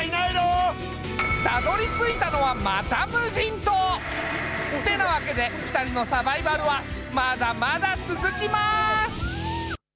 たどりついたのはまた無人島。ってなわけで、２人のサバイバルはまだまだ続きます。